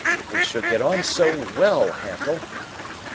We should get on so well, Handel!"